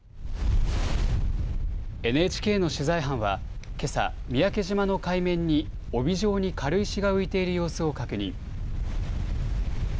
ＮＨＫの取材班は、けさ三宅島の海面に帯状に軽石が浮いている様子を確認。